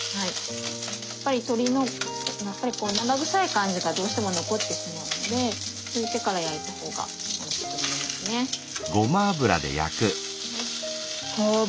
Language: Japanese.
やっぱり鶏のやっぱりこう生臭い感じがどうしても残ってしまうので拭いてから焼いた方がおいしくなりますね。